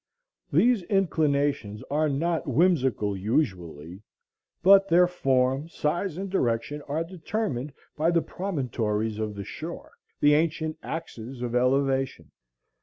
These inclinations are not whimsical usually, but their form, size, and direction are determined by the promontories of the shore, the ancient axes of elevation.